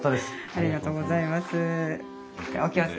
ありがとうございます。